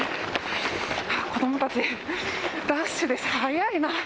子どもたち、ダッシュです、速いな。